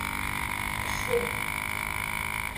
Xesfen.